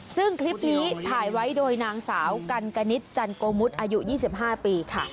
ซึ่งคลิปนี้ถ่ายไว้โดยนางสาวกันกณิตจันโกมุทอายุ๒๕ปีค่ะ